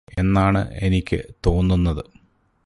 എന്നാണ് എനിക്ക് തോന്നുന്നത്